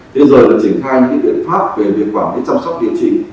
thế rồi là triển khai những biện pháp về việc quản lý chăm sóc điều trị